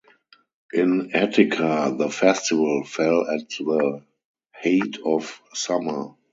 In Attica, the festival fell at the height of summer.